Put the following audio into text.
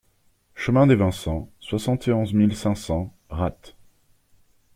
Chemin des Vincents, soixante et onze mille cinq cents Ratte